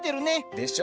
でしょ？